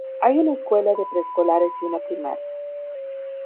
Hay una escuela de preescolares y una primaria.